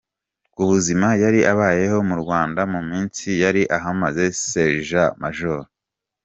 Ku buzima yari abayeho mu Rwanda mu minsi yari ahamaze, Sergent Maj.